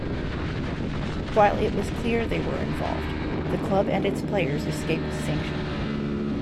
While it was clear they were involved, the club and its players escaped sanction.